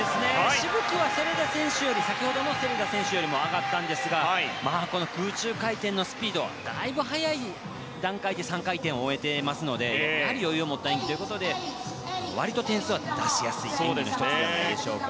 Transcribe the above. しぶきは先ほどのセレダ選手よりも上がったんですが空中回転のスピードだいぶ早い段階で３回転を終えていますので余裕を持った演技ということで割と点数は出しやすい演技の１つではないでしょうか。